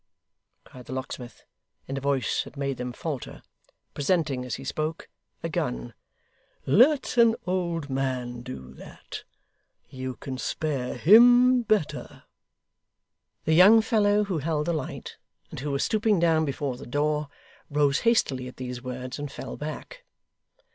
cried the locksmith, in a voice that made them falter presenting, as he spoke, a gun. 'Let an old man do that. You can spare him better.' The young fellow who held the light, and who was stooping down before the door, rose hastily at these words, and fell back.